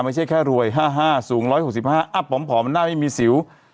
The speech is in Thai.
ไม่ใช่แค่รวย๕๕สูง๑๖๕ผอมหน้าไม่มีสิว